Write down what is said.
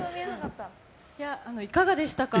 いかがでした？